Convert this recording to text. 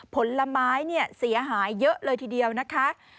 ผลไม้เนี่ยเสียหายเยอะเลยทีเดียวนะคะ